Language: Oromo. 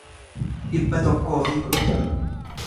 dhibba tokkoo fi kudha ja'a